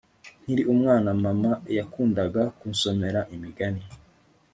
Nkiri umwana mama yakundaga kunsomera imigani